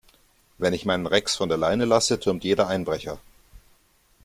Wenn ich meinen Rex von der Leine lasse, türmt jeder Einbrecher.